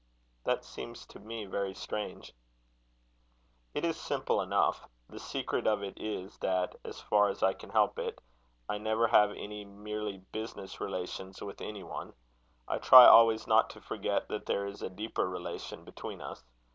"That seems to me very strange." "It is simple enough. The secret of it is, that, as far as I can help it, I never have any merely business relations with any one. I try always not to forget that there is a deeper relation between us.